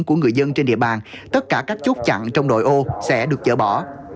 của người dân trên địa bàn tất cả các chốt chặn trong đội ô sẽ được chở bỏ